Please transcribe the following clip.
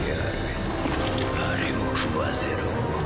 あれを食わせろ。